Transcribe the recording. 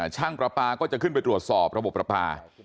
ประปาก็จะขึ้นไปตรวจสอบระบบประปา